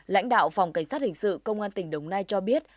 lãnh đạo phòng cảnh sát hình sự công an tỉnh đồng nai cho biết